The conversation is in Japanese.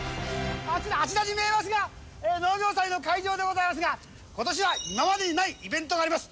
あちらに見えますのが、農業祭の会場でございますが、ことしは今までにないイベントがあります。